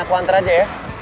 aku antar aja ya